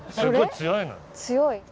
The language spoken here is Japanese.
強い？